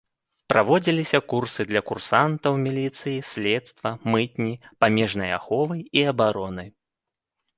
Праводзіліся курсы для курсантаў міліцыі, следства, мытні, памежнай аховы і абароны.